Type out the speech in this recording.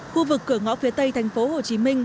khu vực cửa ngõ phía tây thành phố hồ chí minh